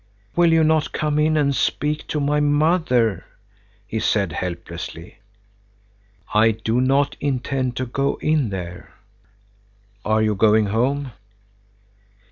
"Will you not come in and speak to my mother?" he said, helplessly. "I do not intend to go in there." "Are you going home?"